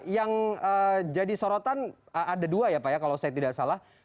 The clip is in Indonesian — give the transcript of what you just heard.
yang jadi sorotan ada dua ya pak ya kalau saya tidak salah